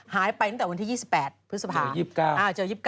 หายไปตั้งแต่วันที่๒๘พฤษภา๒๙เจอ๒๘